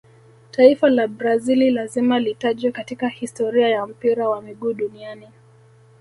taifa la brazili lazima litajwe katika historia ya mpira wa miguu duniani